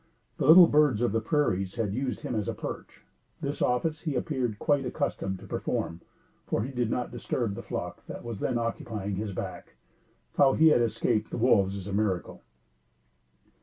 The little birds of the prairies had used him as a perch. This office he appeared quite accustomed to perform, for he did not disturb the flock that was then occupying his back. How he had escaped the wolves is a miracle.